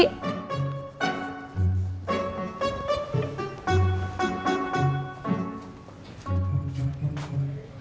bikin aja sendiri